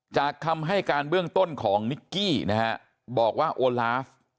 คำให้การเบื้องต้นของนิกกี้นะฮะบอกว่าโอลาฟ